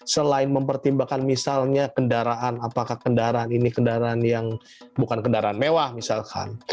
selain mempertimbangkan misalnya kendaraan apakah kendaraan ini kendaraan yang bukan kendaraan mewah misalkan